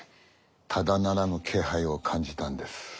ただならぬ気配を感じたんです。